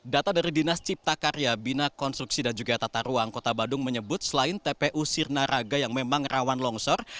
data dari dinas cipta karya bina konstruksi dan juga tata ruang kota badung menyebut selain tpu sirna raga yang memang rawan longsor